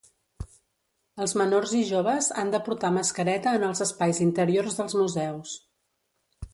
Els menors i joves han de portar mascareta en els espais interiors dels museus.